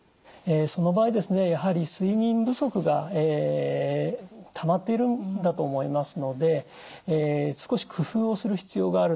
その場合ですねやはり睡眠不足がたまっているんだと思いますので少し工夫をする必要があると思います。